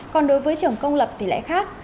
còn đối với trường công lập thì lại khác